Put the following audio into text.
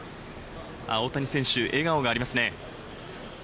大谷選手、笑顔がありますね。